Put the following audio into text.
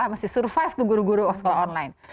masih survive tuh guru guru sekolah online